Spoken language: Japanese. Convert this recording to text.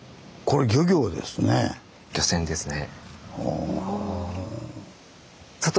漁船ですね。